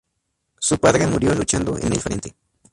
Su padre murió luchando en el frente.